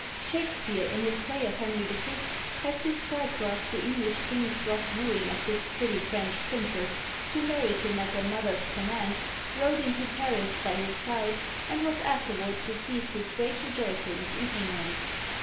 Shakespeare, in his play of Henry V., has described for us the English king's rough wooing of this pretty French princess, who married him at her mother's command, rode into Paris by his side, and was afterwards received with great rejoicings in England.